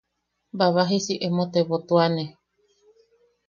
Babajisi emo tebotuane.